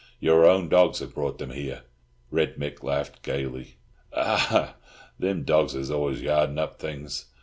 "Your own dogs have brought them here." Red Mick laughed gaily. "Ah, thim dogs is always yardin' up things.